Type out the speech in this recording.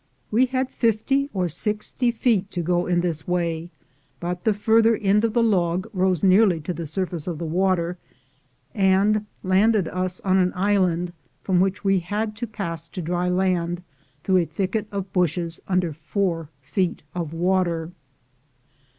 We had fifty or sixty feet to go in this way, but the farther end of the log rose nearly to the surface of the water, and landed us on an island, from which we had to pass to dry land through a thicket of bushes under four feet of water.